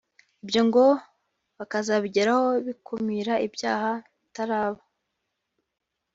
Ibyo ngo bakazabigeraho bakumira ibyaha bitaraba